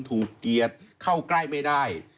ถูกเกลียดเข้าใกล้ไม่ได้